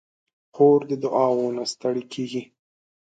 خور د دعاوو نه ستړې کېږي.